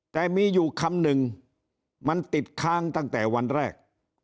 แต่มีอยู่คำหนึ่งมันติดค้างตั้งแต่วันแรก